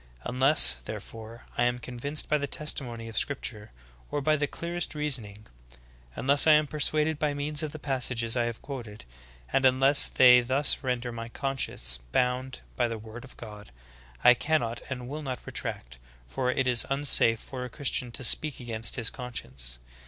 Unless, therefore, I am convinced by the testimony of scripture, or by the clearest reasoning — unless I am persuaded by means of the passages I have quoted, — and unless they thus render my conscience bound by the word of God, I cannot and will not retract, for it is unsafe for a Christian to speak against his conscience.